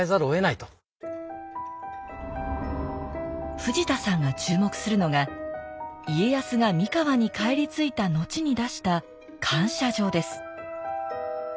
藤田さんが注目するのが家康が三河に帰り着いた後に出した感謝状です。